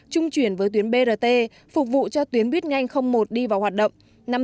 trung chuyển với tuyến brt phục vụ cho tuyến buýt nhanh một đi vào hoạt động